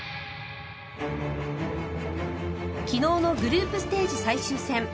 昨日のグループステージ最終戦。